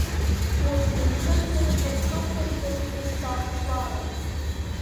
Шәуаӡә дыҩҭыҵны, шәлаԥшықәрымҵартә шәнаԥшааԥшлароуп.